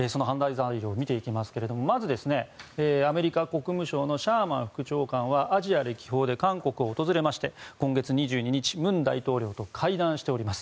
材料を見ていきますがまず、アメリカ国務省のシャーマン副長官はアジア歴訪で韓国を訪れまして今月２２日、文大統領と会談しております。